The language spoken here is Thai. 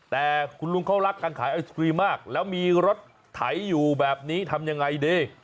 แต่คุณลุงเขารักการขายไอศครีมมากแล้วมีรถไถอยู่แบบนี้ทำยังไงดี